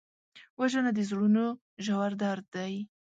وژنه د زړونو ژور درد دی